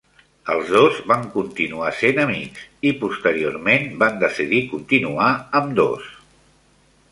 Els dos van continuar sent amics i, posteriorment, van decidir continuar amb Dos.